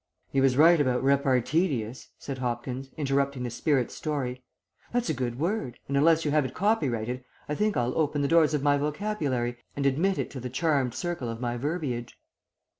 '" "He was right about reparteedious," said Hopkins, interrupting the spirit's story; "that's a good word, and unless you have it copyrighted I think I'll open the doors of my vocabulary and admit it to the charmed circle of my verbiage."